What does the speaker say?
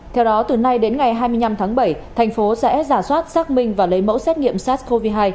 theo đó từ nay đến ngày hai mươi năm tháng bảy thành phố sẽ giả soát xác minh và lấy mẫu xét nghiệm sars cov hai